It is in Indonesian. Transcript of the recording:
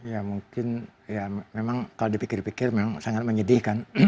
ya mungkin ya memang kalau dipikir pikir memang sangat menyedihkan